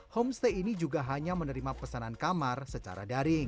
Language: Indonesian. homestay ini juga hanya menerima pesanan kamar secara daring